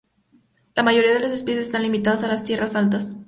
La mayoría de las especies están limitadas a las tierras altas.